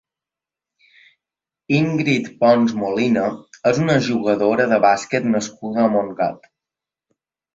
Íngrid Pons Molina és una jugadora de bàsquet nascuda a Montgat.